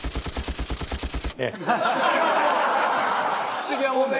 不思議なもんで。